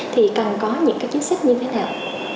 thì cần có những chức sách như thế nào